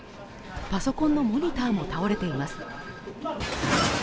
パソコンのモニターも倒れています。